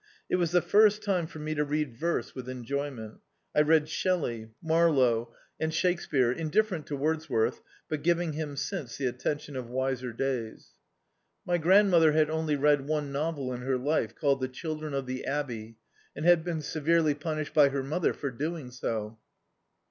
It was the first time for me to read verse with enjoyment I read Shelley, Marlowe, [ij] D,i.,.db, Google The Autobiography of a Super Tramp and Shakespeare, indifferent to Wordsworth, but giving him since the attention of wiser days. My grandmother had only read one novel in her life, called "The Children of the Abbey," and had been severely punished by her mother for doing so.